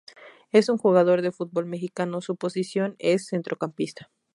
Es un jugador de fútbol mexicano su posición es Centrocampista.